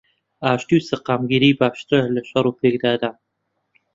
ئاشتی و سەقامگیری باشترە لەشەڕ و پێکدادان